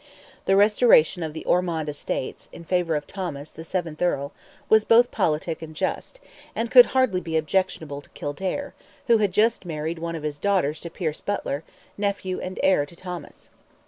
The restoration of the Ormond estates, in favour of Thomas, seventh Earl, was both politic and just, and could hardly be objectionable to Kildare, who had just married one of his daughters to Pierce Butler, nephew and heir to Thomas.